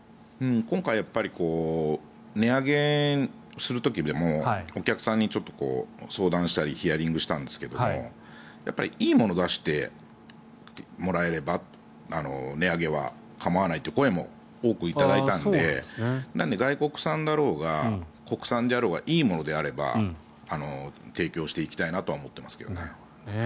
今回、値上げする時でもお客さんにちょっと相談したりヒアリングしたんですがいいものを出してもらえれば値上げは構わないという声も多く頂いたのでなので外国産だろうが国産であろうがいいものであれば提供していきたいなとは思ってますけどね。